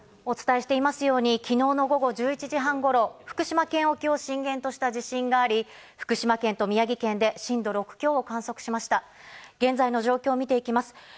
お伝えしていますように昨日の午後１１時半頃、福島県沖を震源とした地震があり、福島県と宮城県で震度６強を観測しました。